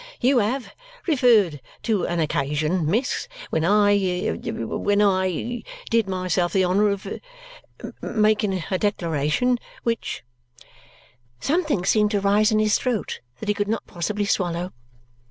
You have referred to an occasion, miss, when I when I did myself the honour of making a declaration which " Something seemed to rise in his throat that he could not possibly swallow.